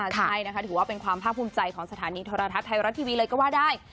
ใช่นะคะถือว่าเป็นความภาคภูมิใจของสถานีโทรทัศน์ไทยรัฐทีวีเลยก็ว่าได้